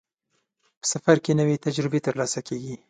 په سفر کې نوې تجربې ترلاسه کېږي.